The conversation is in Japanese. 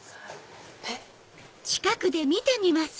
えっ？